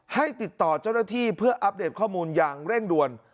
ให้ติดต่อเจ้าหน้าที่เพื่ออัปเดตข้อมูลอย่างเร่งด่วน